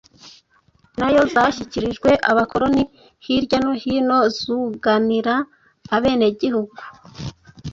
nayo zashyikirijwe abakoloni hirya no hino zuganira abenegihugu,